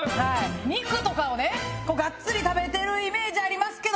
肉とかをがっつり食べてるイメージありますけど。